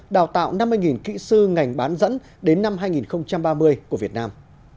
đào tạo năm mươi kỹ sư ngành bán dẫn đến năm hai nghìn ba mươi của việt nam